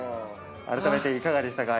あらためていかがでしたか？